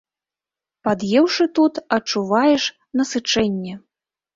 Пад'еўшы тут, адчуваеш насычэнне.